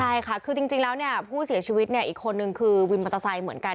ใช่ค่ะคือจริงแล้วผู้เสียชีวิตอีกคนหนึ่งคือวินปัตตาไซค์เหมือนกัน